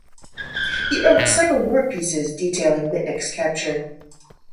He wrote several more pieces detailing Mitnick's capture.